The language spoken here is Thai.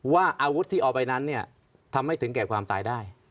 ว่าอาวุธที่เอาไปนั้นเนี่ยทำให้ถึงแก่ความตายได้